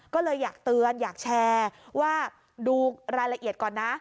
ก็เลยอยากเตือนอยากแชร์ว่าดูรายละเอียดก่อนนะ